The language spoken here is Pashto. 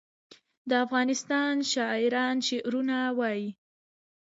د افغانستان شاعران شعرونه وايي